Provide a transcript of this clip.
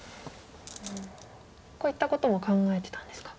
こういったことも考えてたんですか。